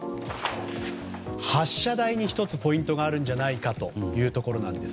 発射台に１つ、ポイントがあるのではというところです。